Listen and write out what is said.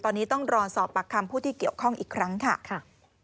ตอนนี้ต้องรอสอบปากคำผู้ที่เกี่ยวข้องอีกครั้งค่ะ